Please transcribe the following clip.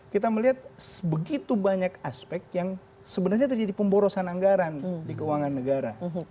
kita melihat begitu banyak aspek yang sebenarnya terjadi pemborosan anggaran di keuangan negara